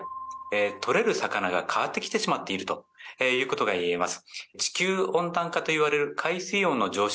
取れる魚が変わってきてしまっているということが言えます。